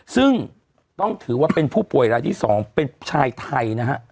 ซึ่งต้องถือว่าเป็นผู้ป่วยรายที่๒เป็นชายไทยนะฮะ